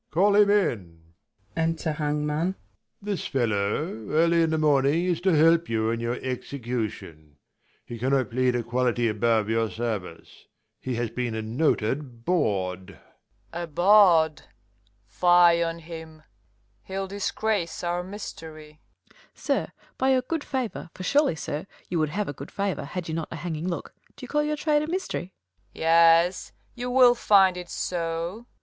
Prov. Call him in ! Untei Hangman. This fellow, early in the morning is To help you in your execution. He cannot plead a quality above Your service, he has been a noted bawd. Hang. A baAvd ! fye on him, he'll disgrace our mystery. Fool. Sir, by your good favour, for surely, sir. You Avould have a good favour, had you not A hanging look, d'you call your trade a mystery 1 Hang. Yes, you Avill find it so. Fool.